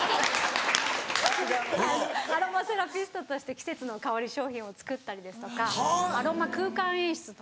アロマセラピストとして季節の香り商品を作ったりですとかアロマ空間演出とか。